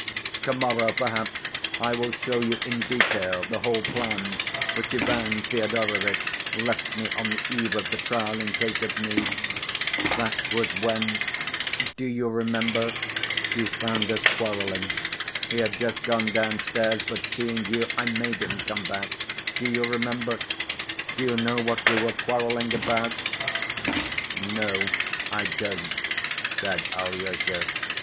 To‐morrow perhaps I will show you in detail the whole plan which Ivan Fyodorovitch left me on the eve of the trial in case of need.... That was when—do you remember?—you found us quarreling. He had just gone down‐stairs, but seeing you I made him come back; do you remember? Do you know what we were quarreling about then?" "No, I don't," said Alyosha.